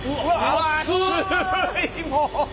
熱いもう。